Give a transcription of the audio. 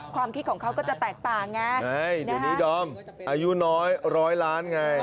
ความคิดของเขาก็จะแตกต่างไงเดี๋ยวนี้ดอมอายุน้อยร้อยล้านไง